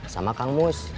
sama kang mus